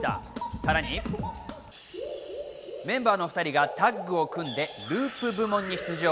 さらに、メンバーの２人がタッグを組んでループ部門に出場。